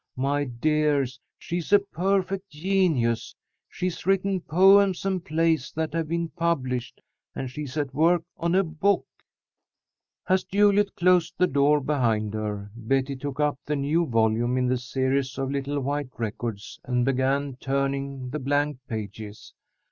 My dears, she's a perfect genius! She's written poems and plays that have been published, and she's at work on a book!" As Juliet closed the door behind her, Betty took up the new volume in the series of little white records, and began turning the blank pages.